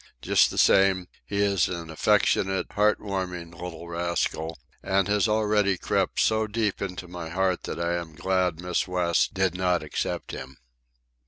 Just the same, he is an affectionate, heart warming little rascal, and has already crept so deep into my heart that I am glad Miss West did not accept him.